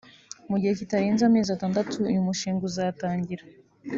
mu gihe kitarenze amezi atandatu uyu mushinga uzatangira